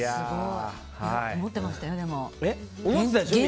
思ってましたよ。